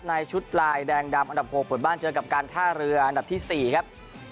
ในชุดลายแดงดำอันดับ๖เปิดบ้านเจอกับการท่าเรืออันดับที่๔ครับ